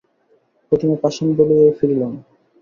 প্রতিমা পাষাণ বলিয়াই ফিরিল না।